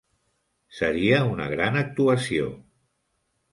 Seria una gran actuació.